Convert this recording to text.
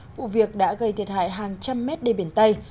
vụ việc đã gây thiệt hại hàng trăm mét đê biển tây